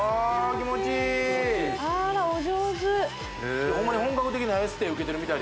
気持ちいい